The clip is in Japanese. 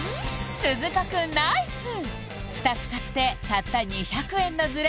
鈴鹿くんナイス２つ買ってたった２００円のズレ